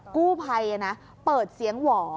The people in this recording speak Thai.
กู้ภัยเปิดเสียงหว่อ